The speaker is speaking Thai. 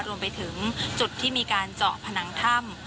รวมไปถึงจุดที่มีการเจาะผนังถ้ำ